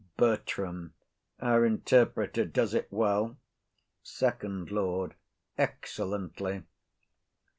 BERTRAM. Our interpreter does it well. FIRST LORD. Excellently.